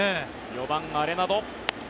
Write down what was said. ４番、アレナド。